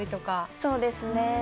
そうですね。